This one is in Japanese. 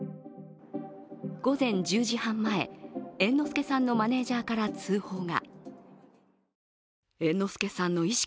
午前１０時半前、猿之助さんのマネージャーから通報が。